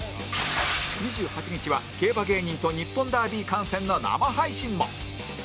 ２８日は競馬芸人と日本ダービー観戦の生配信も